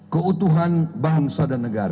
keutuhan bangsa dan negara